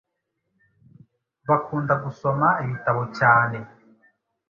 bakunda gusoma ibitabo cyane